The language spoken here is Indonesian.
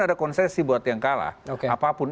ada konsesi buat yang kalah apapun